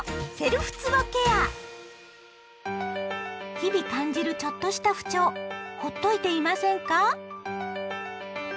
日々感じるちょっとした不調ほっといていませんか？